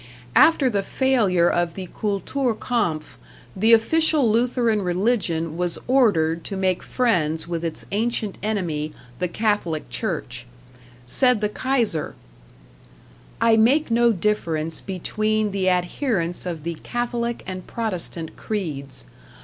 After the failure of the "Kultur kampf," the official Lutheran religion was ordered to make friends with its ancient enemy, the Catholic Church. Said the Kaiser: I make no difference between the adherents of the Catholic and Protestant creeds.